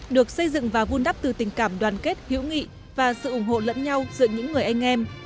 được xây dựng và vun đắp từ tình cảm đoàn kết hữu nghị và sự ủng hộ lẫn nhau giữa những người anh em